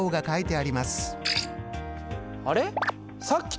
あれ？